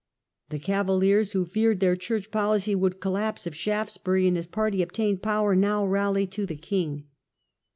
The Cavaliers, who feared their church policy would collapse if Shaftesbury and his party obtained power, now rallied to the king.